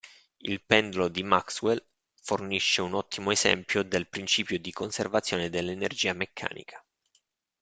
Il "pendolo di Maxwell" fornisce un ottimo esempio del principio di conservazione dell'energia meccanica.